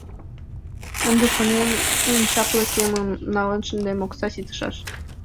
«Ынде, — шонем, — эн чапле кемым налын шындем, окса ситышаш».